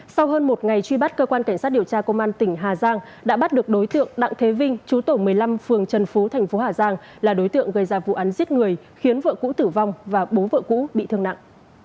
sau hơn một ngày truy bắt cơ quan cảnh sát điều tra công an tỉnh hà giang đã bắt được đối tượng đặng thế vinh chú tổ một mươi năm phường trần phú thành phố hà giang là đối tượng gây ra vụ án giết người khiến vợ cũ tử vong và bố vợ cũ bị thương nặng